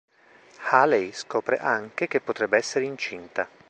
Haley scopre anche che potrebbe essere incinta.